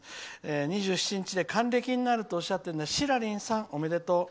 ２７日で還暦になるとおっしゃるしらりんさん、おめでとう。